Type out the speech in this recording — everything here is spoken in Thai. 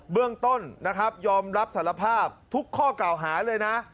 เรื่องต้นนะครับยอมรับสารภาพทุกข้อกล่าวหาเลยนะ